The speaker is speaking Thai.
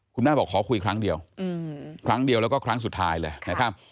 แม่บอกขอคุยครั้งเดียวครั้งเดียวแล้วก็ครั้งสุดท้ายเลยนะครับ